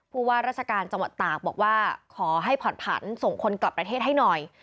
พูดว่าราชการเจาะต่าห์บอกว่าขอให้ผ่อนพันธุ์ส่งคนกลับประเทศให้หน่อย